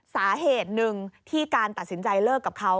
สาเหตุหนึ่งที่การตัดสินใจเลิกกับเขา